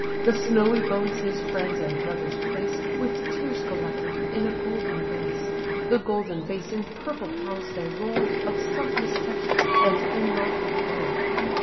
The snowy bones his friends and brothers place (With tears collected) in a golden vase; The golden vase in purple palls they roll'd, Of softest texture, and inwrought with gold.